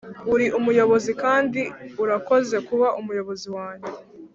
uri umuyobozi kandi urakoze kuba umuyobozi wanjye.